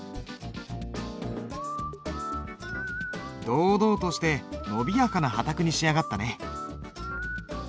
堂々としてのびやかな波磔に仕上がったね。